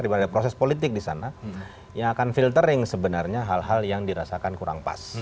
di mana proses politik disana yang akan filtering sebenarnya hal hal yang dirasakan kurang pas